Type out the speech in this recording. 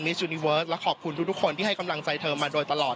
ยูนิเวิร์ดและขอบคุณทุกคนที่ให้กำลังใจเธอมาโดยตลอด